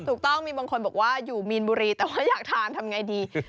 ถูกต้องมีบางคนบอกว่าอยู่มีนบุรีแต่ว่าอยากทานทำไงดี